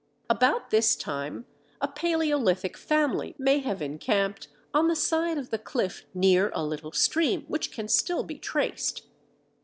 About this time, a paleolithic family may have encamped on the side of the cliff near a little stream which can still be traced.